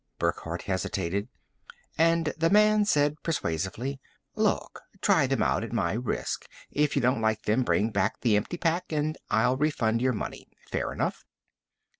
Burckhardt hesitated, and the man said persuasively, "Look, try them out at my risk. If you don't like them, bring back the empty pack and I'll refund your money. Fair enough?"